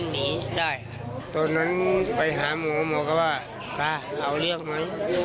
หาหมูหมูก็ว่าค่ะเอาเรียกไหม